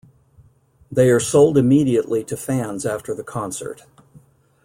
They are sold immediately to fans after the concert.